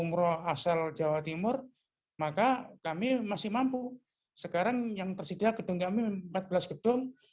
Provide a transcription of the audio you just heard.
umroh asal jawa timur maka kami masih mampu sekarang yang tersedia gedung kami empat belas gedung